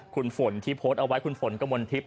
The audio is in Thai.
คุณฝนที่โพสเอาไว้